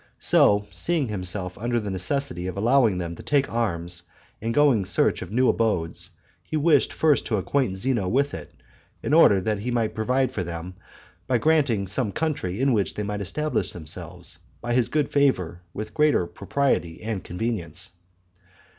So, seeing himself under the necessity of allowing them to take arms and go in search of new abodes, he wished first to acquaint Zeno with it, in order that he might provide for them, by granting some country in which they might establish themselves, by his good favor with greater propriety and convenience.